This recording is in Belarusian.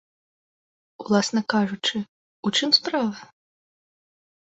Уласна кажучы, у чым справа?